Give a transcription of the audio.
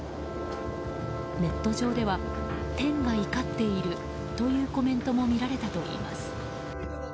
ネット上では、天が怒っているというコメントも見られたといいます。